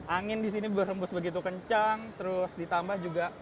angin di sini berhembus begitu kencang